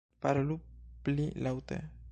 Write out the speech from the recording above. - Parolu pli laŭte.